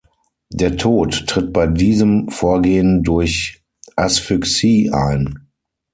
Der Tod tritt bei diesem Vorgehen durch Asphyxie ein.